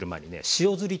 塩ずり。